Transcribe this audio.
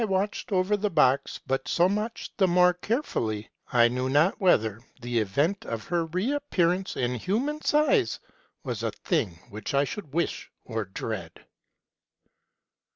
watched over the box but so much the more carefully, I knew not whether the event of her re appearance in human size was a thing which I should wish or dread.